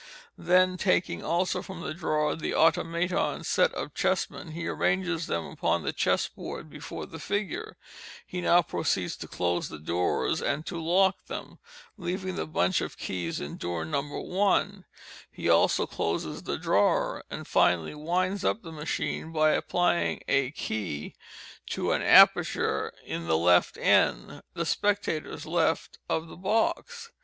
Then taking also from the drawer the Automaton's set of chess men, he arranges them upon the chessboard before the figure. He now proceeds to close the doors and to lock them—leaving the bunch of keys in door No. 1. He also closes the drawer, and, finally, winds up the machine, by applying a key to an aperture in the left end (the spectators' left) of the box.